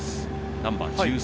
ナンバー１３。